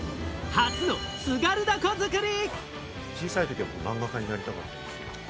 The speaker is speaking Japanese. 初の津軽凧作り。